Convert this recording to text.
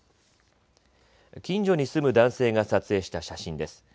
近所に住む男性が撮影した写真です。